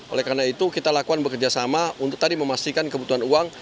oleh karena itu kita lakukan bekerjasama untuk tadi memastikan kebutuhan uang